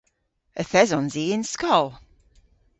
Yth esons i y'n skol.